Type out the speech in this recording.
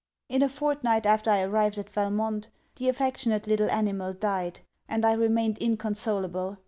In a fortnight after I arrived at Valmont, the affectionate little animal died; and I remained inconsolable.